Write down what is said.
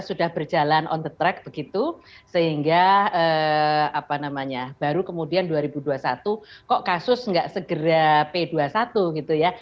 sudah berjalan on the track begitu sehingga apa namanya baru kemudian dua ribu dua puluh satu kok kasus nggak segera p dua puluh satu gitu ya